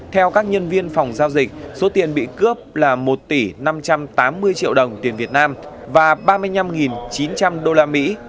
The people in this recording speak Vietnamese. theo các nhân viên phòng giao dịch số tiền bị cướp là một tỷ năm trăm tám mươi triệu đồng tiền việt nam và ba mươi năm chín trăm linh đô la mỹ